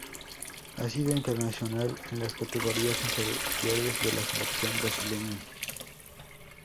Ha sido internacional en las categorías inferiores de la selección brasileña.